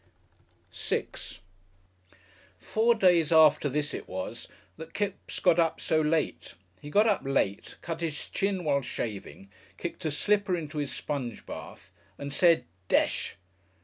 §6 Four days after this it was that Kipps got up so late. He got up late, cut his chin while shaving, kicked a slipper into his sponge bath and said, "Desh!"